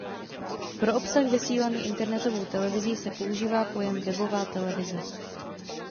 Pro obsah vysílaný internetovou televizí se používá pojem webová televize.